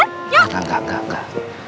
enggak enggak enggak